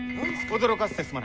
驚かせてすまない。